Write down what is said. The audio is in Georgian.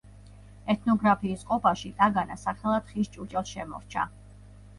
ეთნოგრაფიის ყოფაში ტაგანა სახელად ხის ჭურჭელს შემორჩა.